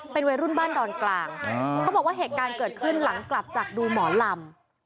เป็นวัยรุ่นบ้านดอนกลางเขาบอกว่าเหตุการณ์เกิดขึ้นหลังกลับจากดูหมอลำ